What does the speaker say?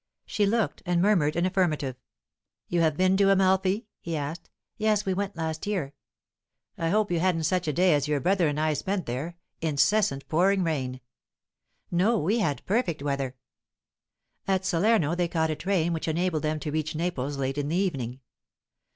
She looked, and murmured an affirmative. "You have been to Amalfi?" he asked. "Yes; we went last year." "I hope you hadn't such a day as your brother and I spent there incessant pouring rain." "No; we had perfect weather." At Salerno they caught a train which enabled them to reach Naples late in the evening.